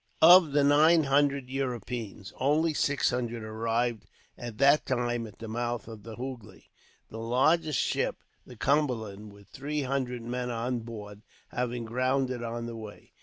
Of the nine hundred Europeans, only six hundred arrived at that time at the mouth of the Hoogly, the largest ship, the Cumberland, with three hundred men on board, having grounded on the way.